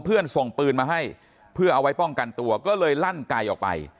ส่งปืนมาให้เพื่อเอาไว้ป้องกันตัวก็เลยลั่นไกลออกไป